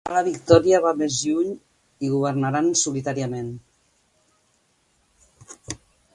Ara la victòria va més lluny i governaran solitàriament.